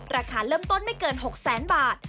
ราคาเริ่มต้นไม่เกิน๖แสนบาท